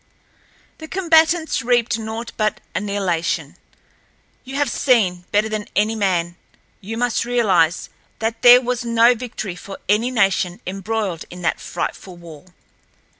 The combatants reaped naught but annihilation. You have seen—better than any man you must realize that there was no victory for any nation embroiled in that frightful war."